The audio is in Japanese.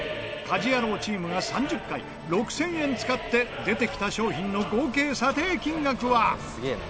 家事ヤロウチームが３０回６０００円使って出てきた商品の合計査定金額は。